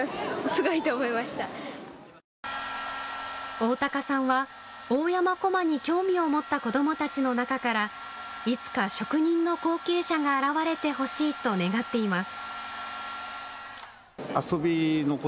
大高さんは大山こまに興味を持った子どもたちの中からいつか職人の後継者が現れてほしいと願っています。